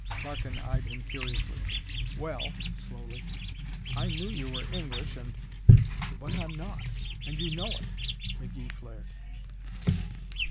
Larkin eyed him curiously. "Well," slowly, "I knew you were English and " "But I'm not, and you know it!" McGee flared.